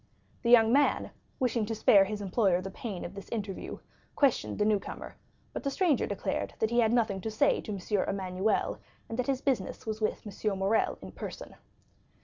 The young man, wishing to spare his employer the pain of this interview, questioned the new comer; but the stranger declared that he had nothing to say to M. Emmanuel, and that his business was with M. Morrel in person.